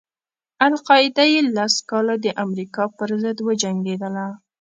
القاعده یې لس کاله د امریکا پر ضد وجنګېدله.